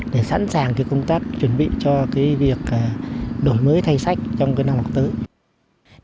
để sẵn sàng công tác chuẩn bị cho việc đổi mới thay sách trong năm học tới